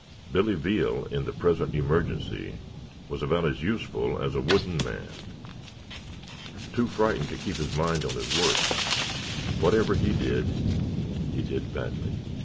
Billy Veal, in the present emergency, was about as useful as a wooden man. Too frightened to keep his mind on his work, whatever he did he did badly.